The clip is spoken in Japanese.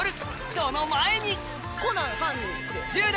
その前に！